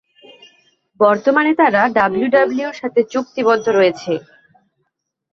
বর্তমানে তারা ডাব্লিউডাব্লিউইর সাথে চুক্তিবদ্ধ রয়েছে।